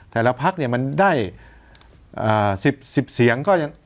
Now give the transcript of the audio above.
แต่ละพักเนี่ยมันได้๑๐เสียงก็ยัง